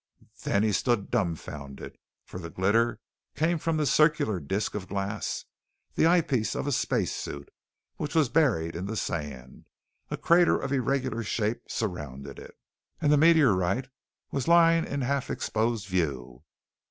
Then he stood dumbfounded, for the glitter came from the circular disc of glass, the eyepiece of a space suit, which was buried in the sand. A crater of irregular shape surrounded it, and the meteorite was lying in half exposed view.